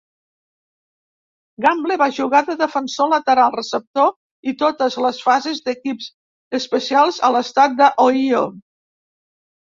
Gamble va jugar de defensor lateral, receptor i totes les fases d'equips especials a l'estat d'Ohio.